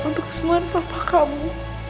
untuk kesemuan papa kamu